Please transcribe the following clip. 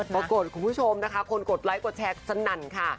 คุณผู้ชมนะคะคนกดไลค์กดแชร์สนั่นค่ะ